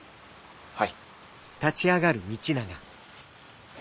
はい。